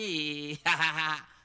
ハハハッ。